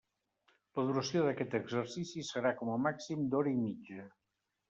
La duració d'aquest exercici serà com a màxim d'hora i mitja.